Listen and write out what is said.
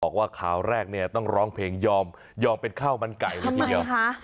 บอกว่าคราวแรกเนี้ยต้องร้องเพลงยอมยอมเป็นข้าวมันไก่ทำไมคะ